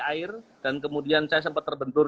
air dan kemudian saya sempat terbentur